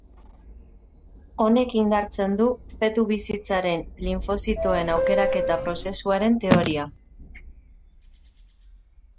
Honek indartzen du fetu-bizitzaren linfozitoen aukeraketa prozesuaren teoria.